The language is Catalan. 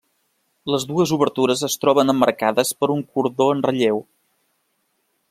Les dues obertures es troben emmarcades per un cordó en relleu.